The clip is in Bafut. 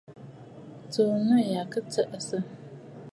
Tsùu nû ya kɨ tsəʼəsə!